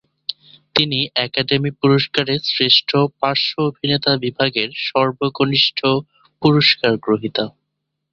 তিনি একাডেমি পুরস্কারের শ্রেষ্ঠ পার্শ্ব অভিনেতা বিভাগের সর্বকনিষ্ঠ পুরস্কার গ্রহীতা।